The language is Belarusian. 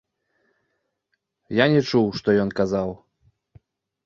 Я не чуў, што ён казаў.